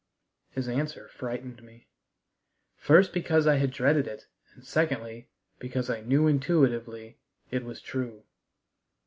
His answer frightened me, first because I had dreaded it, and secondly, because I knew intuitively it was true.